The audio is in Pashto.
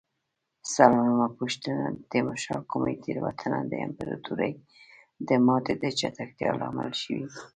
څلورمه پوښتنه: د تیمورشاه کومې تېروتنه د امپراتورۍ د ماتې د چټکتیا لامل شوې؟